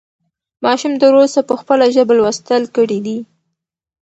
ماشوم تر اوسه په خپله ژبه لوستل کړي دي.